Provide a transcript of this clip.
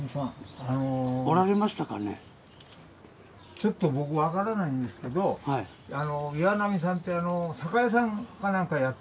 ちょっと僕分からないんですけど岩波さんって酒屋さんか何かやってるんじゃないですかね